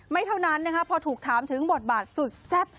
เท่านั้นนะคะพอถูกถามถึงบทบาทสุดแซ่บ